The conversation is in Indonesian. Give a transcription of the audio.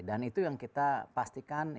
dan itu yang kita pastikan